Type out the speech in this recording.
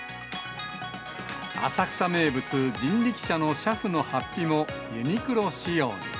浅草名物、人力車の車夫のはっぴもユニクロ仕様。